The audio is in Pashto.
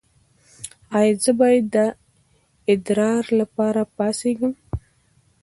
ایا زه باید د ادرار لپاره پاڅیږم؟